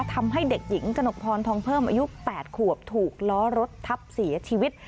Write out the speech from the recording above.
ทำให้เด็กหญิงกระหนกพรทองเพิ่มอายุ๘ขวบถูกล้อรถทับเสียชีวิต